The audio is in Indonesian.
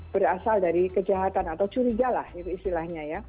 berasal dari kejahatan atau curiga lah itu istilahnya ya